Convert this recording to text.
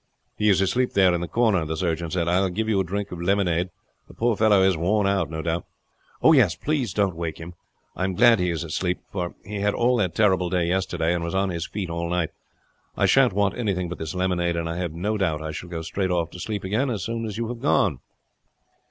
"He is asleep there in the corner," the surgeon said. "I will give you a drink of lemonade. The poor fellow is worn out, no doubt." "Oh, yes; please don't wake him," Ralph said. "I am glad he is asleep; for he had all that terrible day yesterday, and was on his feet all night. I shan't want anything but this lemonade; and I have no doubt I shall go straight off to sleep again as soon as you have gone."